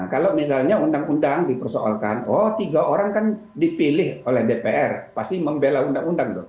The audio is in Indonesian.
kalau misalnya undang undang dipersoalkan oh tiga orang kan dipilih oleh dpr pasti membela undang undang